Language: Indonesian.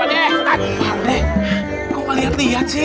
aduh kok melihat lihat sih